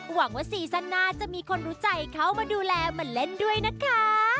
หวังว่าซีซั่นหน้าจะมีคนรู้ใจเข้ามาดูแลมาเล่นด้วยนะคะ